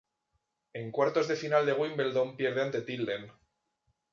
En cuartos de final de Wimbledon pierde ante Tilden.